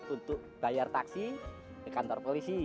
untuk bayar taksi ke kantor polisi